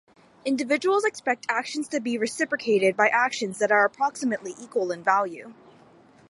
Individuals expect actions to be reciprocated by actions that are approximately equal in value.